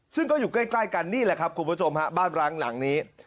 ซึ่งก็อยู่ใกล้กันนี่แหละครับคุณผู้ชมฮะบ้านร้างหลังนี้